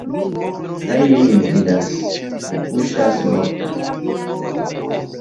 Kaj jen mi vidas – li kuŝas morta!